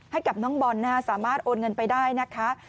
ให้กับน้องบอลสามารถโอนเงินไปได้นะคะ